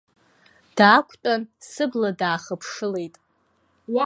Даақәтәан, сыбла даахыԥшылеит.